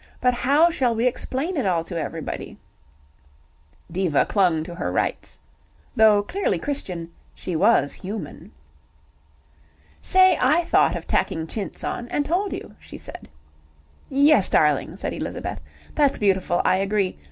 "But how shall we explain it all to everybody?" Diva clung to her rights. Though clearly Christian, she was human. "Say I thought of tacking chintz on and told you," she said. "Yes, darling," said Elizabeth. "That's beautiful, I agree.